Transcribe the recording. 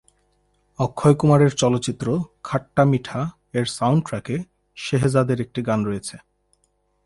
অক্ষয় কুমারের চলচ্চিত্র "খাট্টা মিঠা" এর সাউন্ডট্র্যাকে শেহজাদ এর একটি গান রয়েছে।